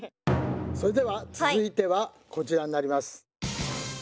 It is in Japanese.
それでは続いてはこちらになります。